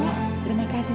terima kasih suster